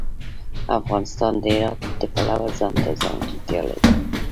افغانستان د هرات د پلوه ځانته ځانګړتیا لري.